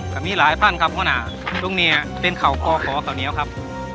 ก็มีหลายภัณฑ์ครับพ่อหน่าตรงเนียเป็นข่าวคอคอเก่าเหนียวครับ